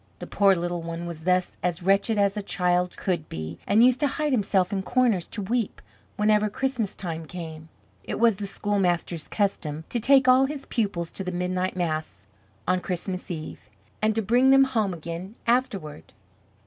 The poor little one was thus as wretched as a child could be and used to hide himself in corners to weep whenever Christmas time came. It was the schoolmaster's custom to take all his pupils to the midnight mass on Christmas Eve, and to bring them home again afterward.